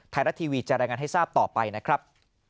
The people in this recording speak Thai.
ไทยรัฐทีวีจะรายงานให้ทราบต่อไปนะครับ